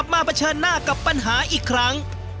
มาเผชิญหน้ากับปัญหาอีกครั้ง